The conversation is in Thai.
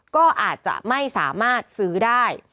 ก็อาจจะไม่สามารถซื้อได้